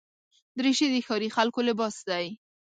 دریشي د ښاري خلکو لباس دی.